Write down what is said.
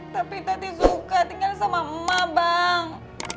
tapi tadi suka tinggal sama emak bang